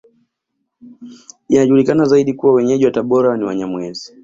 Inajulikana zaidi kuwa Wenyeji wa Tabora ni Wanyamwezi